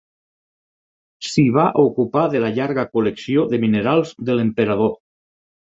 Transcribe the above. S'hi va ocupar de la llarga col·lecció de minerals de l'emperador.